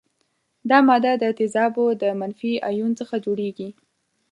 دا ماده د تیزابو د منفي ایون څخه جوړیږي.